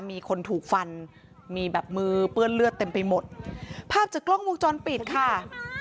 มีคนถูกฟันมีแบบมือเปื้อนเลือดเต็มไปหมดภาพจากกล้องวงจรปิดค่ะ